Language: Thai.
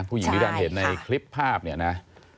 ผู้หญิงที่ท่านเห็นในคลิปภาพเนี่ยนะ